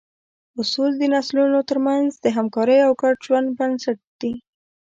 اصول د نسلونو تر منځ د همکارۍ او ګډ ژوند بنسټ دي.